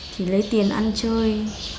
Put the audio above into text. thì lấy tiền ăn chơi